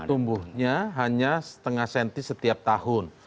tumbuhnya hanya setengah senti setiap tahun